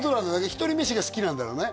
一人飯が好きなんだろうね